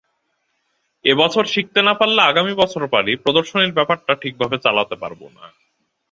এ বছর শিখতে না পারলে আগামী বছর পারি-প্রদর্শনীর ব্যাপারটা ঠিকভাবে চালাতে পারব না।